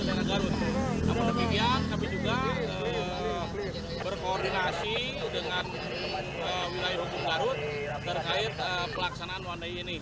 terutama arus dari timur menuju barat atau dari wilayah tasikmalaya